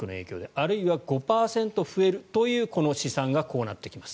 あるいは５％増えるという試算がこうなってきます。